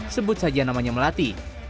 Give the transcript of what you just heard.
sebut saja namanya melati